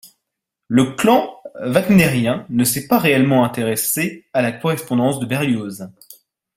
Le clan wagnérien ne s'est pas réellement intéressé à la correspondance de Berlioz.